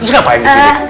terus ngapain disini